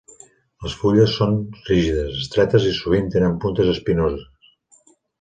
Les fulles són rígides, estretes i sovint tenen puntes espinoses.